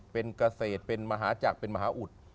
เป็นเกษตรเป็นมหาจักรเป็นมหาอุด